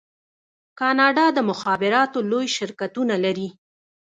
کاناډا د مخابراتو لوی شرکتونه لري.